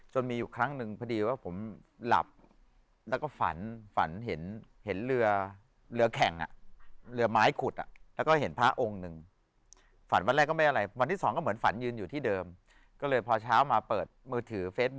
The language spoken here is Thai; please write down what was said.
จนมีอยู่ครั้งนึงพอดีว่าผมหลับแล้วก็ฝันเห็นเรือแข่งเรือไม้ขุด